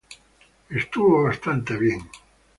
Estuvo bastante bien.